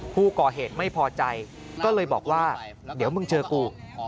ผู้ก่อเหตุไม่พอใจก็เลยบอกว่าเดี๋ยวมึงเจอกู